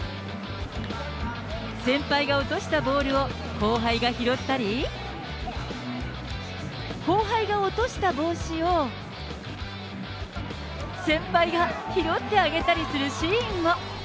先輩が落としたボールを後輩が拾ったり、後輩が落とした帽子を、先輩が拾ってあげたりするシーンも。